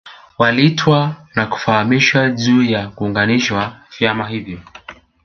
Waliitwa na kufahamishwa juu ya kuunganishwa vyama hivyo